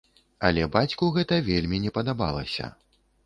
Але бацьку гэта вельмі не падабалася.